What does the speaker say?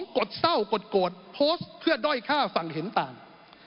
กดเศร้ากดโกรธโพสต์เพื่อด้อยค่าฝั่งเห็นต่าง